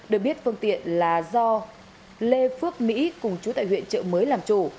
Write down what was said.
được biết phương tiện là do lê phước mỹ cùng chú tại huyện trợ mới làm chủ